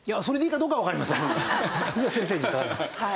それは先生に伺います。